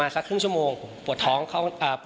ไม่รู้ตอนไหนอะไรยังไงนะ